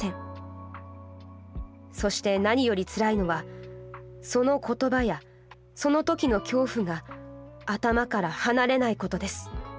そして何よりつらいのはその言葉やその時の恐怖が頭から離れないことです。